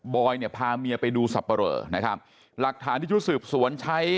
อยเนี่ยพาเมียไปดูสับปะเหลอนะครับหลักฐานที่ชุดสืบสวนใช้